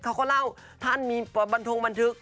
เขาเขาเล่าท่านมีประตูงบันทึก